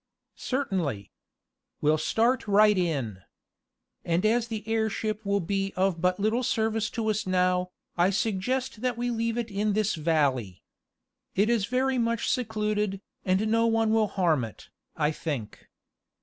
"Certainly. We'll start right in. And as the airship will be of but little service to us now, I suggest that we leave it in this valley. It is very much secluded, and no one will harm it, I think.